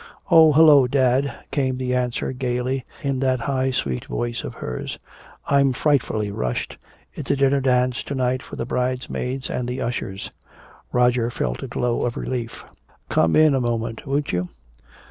"Oh, hello, dad," came the answer gaily, in that high sweet voice of hers. "I'm frightfully rushed. It's a dinner dance to night for the bridesmaids and the ushers." Roger felt a glow of relief. "Come in a moment, won't you?"